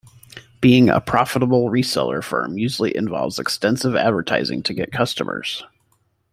Being a profitable reseller firm usually involves extensive advertising to get customers.